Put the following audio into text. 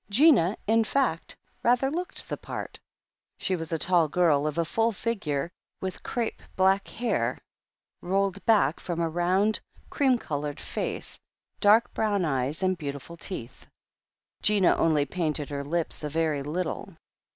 Gina, in fact, rather looked the part. She was a tall girl, of a full figure, with crape black hair rolled back from a rotmd, cream coloured face, dark brown eyes and beautiful teeth. Gina only painted her lips a very little.